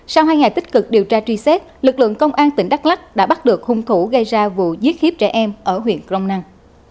sau hai ngày tích cực điều tra truy xét lực lượng công an tỉnh đắk lắc đã bắt được hung thủ gây ra vụ giết khiếp trẻ em ở huyện crong năng